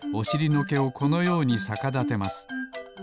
のけをこのようにさかだてます。